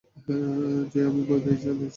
যে, আমি ভয়ে পালিয়েছি।